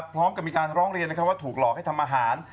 พร้อมกับมีการร้องเรียนว่าถูกหลอกให้ทำอาหาร